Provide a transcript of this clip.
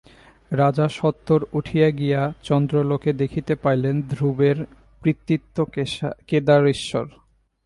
রাজা সত্বর উঠিয়া গিয়া চন্দ্রালোকে দেখিতে পাইলেন, ধ্রুবের পিতৃব্য কেদারেশ্বর।